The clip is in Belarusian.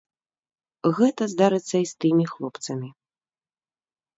Гэта здарыцца і з тымі хлопцамі.